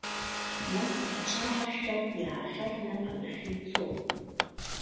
Нас аҽааршәшәан, иаахьаҳәны адәахьы ицон.